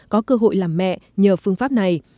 có cơ hội làm mẹ nhờ phương pháp này